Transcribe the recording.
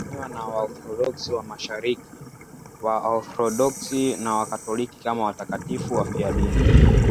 Tangu kale wanaheshimiwa na Waorthodoksi wa Mashariki, Waorthodoksi na Wakatoliki kama watakatifu wafiadini.